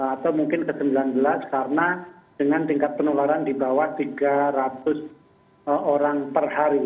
atau mungkin ke sembilan belas karena dengan tingkat penularan di bawah tiga ratus orang per hari